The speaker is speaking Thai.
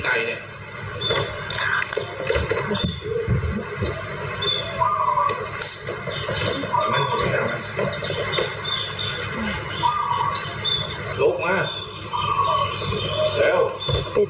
มาหัวเราะแหละ